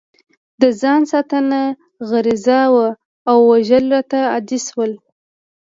د ځان ساتنه غریزه وه او وژل راته عادي شول